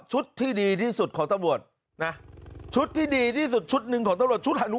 หาวหาวหาวหาวหาวหาวหาวหาวหาวหาว